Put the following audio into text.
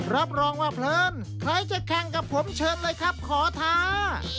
รับรองว่าเพลินใครจะแข่งกับผมเชิญเลยครับขอท้า